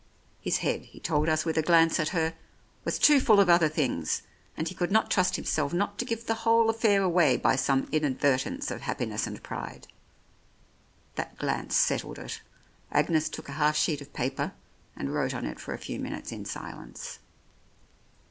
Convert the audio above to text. His head, he told us with a glance at her, was too full of other things, and he could not trust himself not to give the whole affair away by some inadvertence of happiness and pride. That glance settled it ; Agnes took a half sheet of paper and wrote on it for a few minutes in silence.